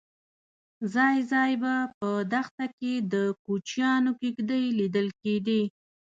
ځای ځای به په دښته کې د کوچیانو کېږدۍ لیدل کېدې.